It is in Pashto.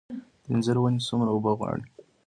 د انځر ونې څومره اوبه غواړي؟